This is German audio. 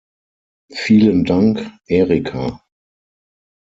Vielen Dank, Erika!